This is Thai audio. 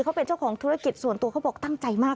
เขาเป็นเจ้าของธุรกิจส่วนตัวเขาบอกตั้งใจมาก